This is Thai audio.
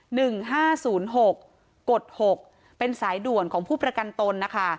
หนึ่งห้าศูนย์หกกฎหกเป็นสายด่วนของผู้ประกันตนนะคะ